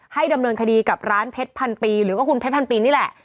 ดำเนินคดีกับร้านเพชรพันปีหรือว่าคุณเพชรพันปีนี่แหละ